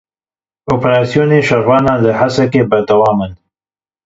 Operasyonên şervanan li Hesekê berdewam in.